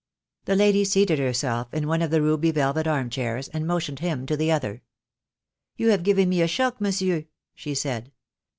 The lady seated herself in one of the ruby velvet arm chairs, and motioned him to the other. "You have given me a shock, monsieur," she said.